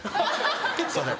すいません。